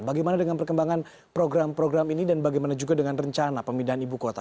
bagaimana dengan perkembangan program program ini dan bagaimana juga dengan rencana pemindahan ibu kota